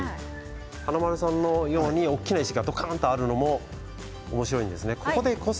華丸さんのように大きい石がどかんとあるのもおもしろいですね。